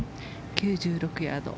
９６ヤード。